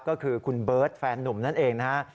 ก็คือคุณเบิร์ตแฟนหนุ่มนั่นเองนะฮะ